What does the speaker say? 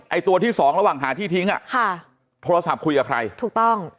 ตัวที่สองระหว่างหาที่ทิ้งอ่ะค่ะโทรศัพท์คุยกับใครถูกต้อง